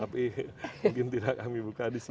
tapi mungkin tidak kami buka di sini